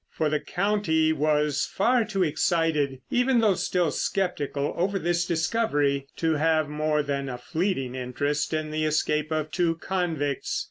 For the county was far too excited—even though still sceptical—over this discovery to have more than a fleeting interest in the escape of two convicts.